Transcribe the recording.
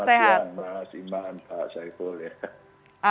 selamat siang mas iman pak syai fulhuda